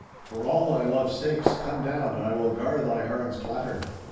'For all thy loves' sakes, come down, and I will gar thy harns clatter!